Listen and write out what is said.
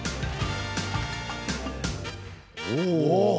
おお！